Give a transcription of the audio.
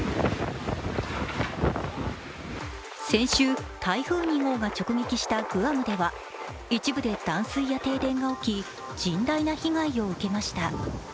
先週、台風２号が直撃したグアムでは、一部で断水や停電が起き、甚大な被害を受けました。